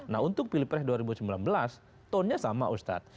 nah untuk pilpre dua ribu sembilan belas tonnya sama ustadz